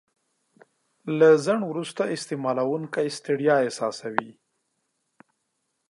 له ځنډه وروسته استعمالوونکی ستړیا احساسوي.